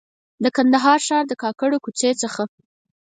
د کندهار ښار د کاکړو کوڅې څخه.